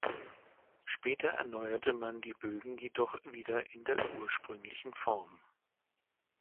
Später erneuerte man die Bögen jedoch wieder in der ursprünglichen Form.